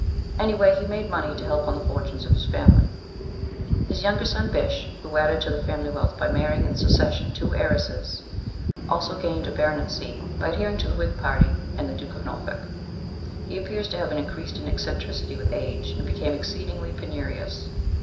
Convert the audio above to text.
Anyway, he made money to help on the fortunes of his family. His younger son, Bysshe, who added to the family wealth by marrying in succession two heiresses, also gained a baronetcy by adhering to the Whig Party and the Duke of Norfolk. He appears to have increased in eccentricity with age and became exceedingly penurious.